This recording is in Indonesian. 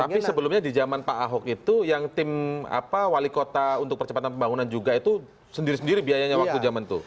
tapi sebelumnya di zaman pak ahok itu yang tim wali kota untuk percepatan pembangunan juga itu sendiri sendiri biayanya waktu zaman itu